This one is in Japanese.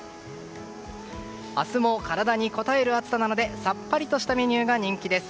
明日も体にこたえる暑さなのでさっぱりとしたメニューが人気です。